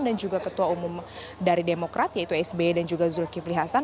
dan juga ketua umum dari demokrat yaitu sbe dan juga zulkifli hasan